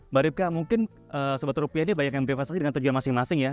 mbak ripka mungkin sebetulnya rupiah ini banyak yang berinvestasi dengan tujuan masing masing ya